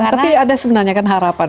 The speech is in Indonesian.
tapi ada sebenarnya kan harapan